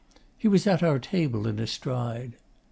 He was at our table in a stride.